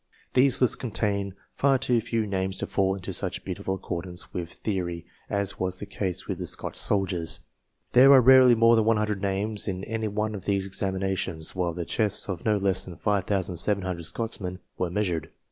These lists contain far too few names to fall into such beautiful accordance with theory, as was the case with the Scotch soldiers. There are rarely more than 100 names in any one of these examinations, while the chests of no less than 5,700 Scotchmen were measured.